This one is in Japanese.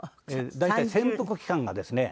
大体潜伏期間がですね